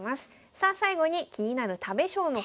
さあ最後に気になる食べ将の方。